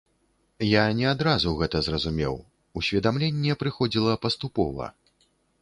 Я не адразу гэта зразумеў, усведамленне прыходзіла паступова.